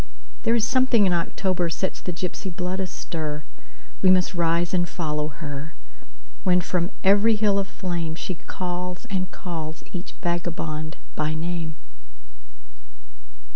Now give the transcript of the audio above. There is something in October sets the gypsy blood astir; We must rise and follow her, When from every hill of flameShe calls and calls each vagabond by name.